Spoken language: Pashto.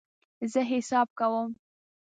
زه حساب کوم